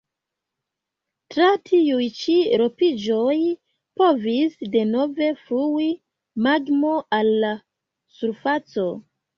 Tra tiuj ĉi ropiĝoj povis denove flui magmo al la surfaco.